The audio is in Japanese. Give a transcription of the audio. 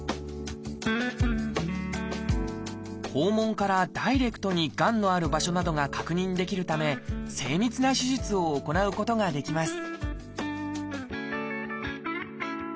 肛門からダイレクトにがんのある場所などが確認できるため精密な手術を行うことができます